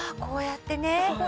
こうやってね。